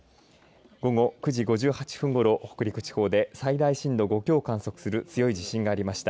午後９時５８分ごろ北陸地方で最大震度５強を観測する強い地震がありました。